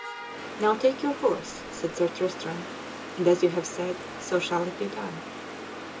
"Now take your horse," said Sir Tristram, "and as you have said, so shall it be done."